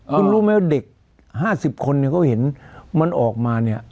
คุณรู้ไหมว่าเด็กห้าสิบคนเนี้ยเขาเห็นมันออกมาเนี้ย